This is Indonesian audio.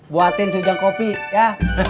buatin sejahang kopi ya